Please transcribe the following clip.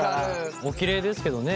おきれいですけどね